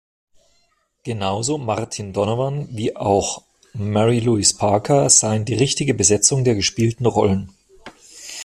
Genauso Martin Donovan wie auch Mary-Louise Parker seien die richtige Besetzung der gespielten Rollen.